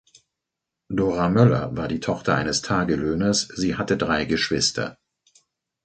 Dora Möller war die Tochter eines Tagelöhners; sie hatte drei Geschwister.